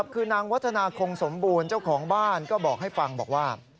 คือนางวัฒนาคงสมบูรณ์เจ้าของบ้านก็บอกให้ฟังบอกว่า